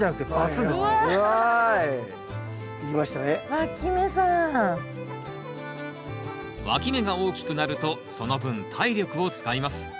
わき芽が大きくなるとその分体力を使います。